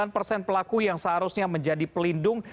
delapan persen pelaku yang seharusnya menjadi pelindung